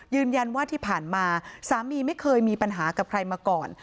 ยืนยันว่าที่ผ่านมาสามีไม่เคยมีปัญหากับใครมาก่อน